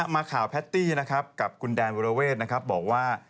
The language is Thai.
มาข่าวแพทตี้ครับกับคุณแดนวุลเวร์บอกว่า